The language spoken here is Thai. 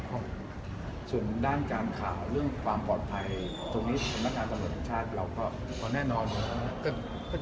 ก็แน่นอนอยู่เนี่ย